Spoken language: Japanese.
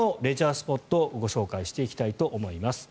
スポットをご紹介していきたいと思います。